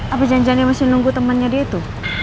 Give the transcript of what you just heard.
apa janjiannya masih nunggu temannya dia itu